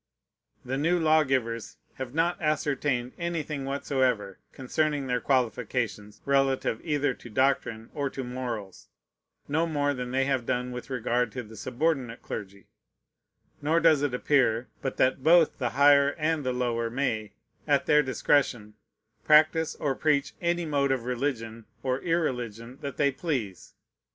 The new lawgivers have not ascertained anything whatsoever concerning their qualifications, relative either to doctrine or to morals, no more than they have done with regard to the subordinate clergy; nor does it appear but that both the higher and the lower may, at their discretion, practise or preach any mode of religion or irreligion that they please.